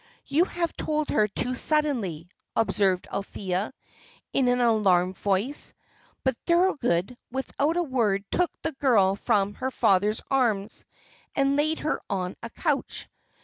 "You have told her too suddenly," observed Althea, in an alarmed voice. But Thorold, without a word, took the girl from her father's arms and laid her on a couch.